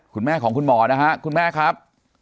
คุณแม่ของคุณหมอนะฮะคุณแม่ครับ